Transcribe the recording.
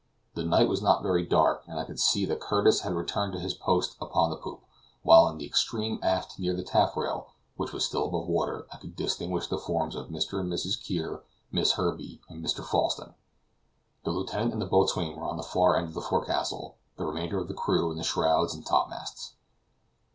The night was not very dark, and I could see that Curtis had returned to his post upon the poop; while in the extreme aft near the taffrail, which was still above water, I could distinguish the forms of Mr. and Mrs. Kear, Miss Herbey, and Mr. Falsten. The lieutenant and the boatswain were on the far end of the forecastle; the remainder of the crew in the shrouds and top masts.